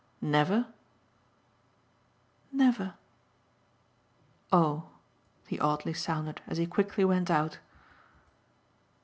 "Never." "Oh!" he oddly sounded as he quickly went out.